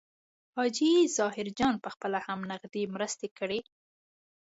حاجي ظاهرجان پخپله هم نغدي مرستې کړي.